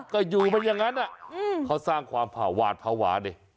ก็อยู่มันอย่างนั้นเขาสร้างความผ่าหวาดภาวะดิ